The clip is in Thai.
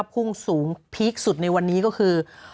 พุ่งสูงพีคสุดในวันนี้ก็คือ